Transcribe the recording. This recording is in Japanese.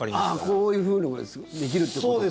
こういうふうにできるってことか。